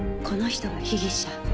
この人が被疑者。